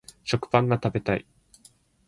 食パンが食べたい